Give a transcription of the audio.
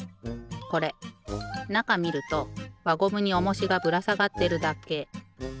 これなかみるとわゴムにおもしがぶらさがってるだけ。